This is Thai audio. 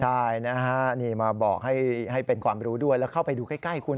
ใช่นะฮะนี่มาบอกให้เป็นความรู้ด้วยแล้วเข้าไปดูใกล้คุณ